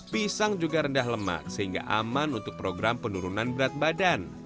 pisang juga rendah lemak sehingga aman untuk program penurunan berat badan